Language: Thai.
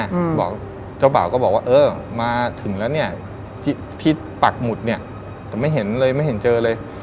ก็บอกเจ้าสามก็บอกว่าเออมาถึงแล้วเนี่ยที่ปรากฏหมุดเนี่ยไม่เห็นได้เลยไม่เห็นเห็นเจอเลย